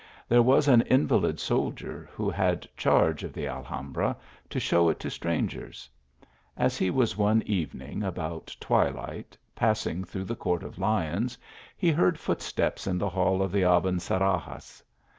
There was an invalid soldier, who had charge of the Alhambra, to show it to strangers. As he was one evening about twilight passing through the Court cf Lions, he heard footsteps in the Hall of the Abencerrages.